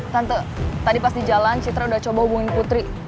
tante tadi pas di jalan citra udah coba hubungin putri